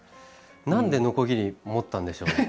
何でのこぎり持ったんでしょうね